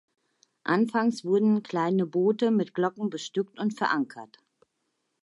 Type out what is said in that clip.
Anfangs wurden kleine Boote mit Glocken bestückt und verankert.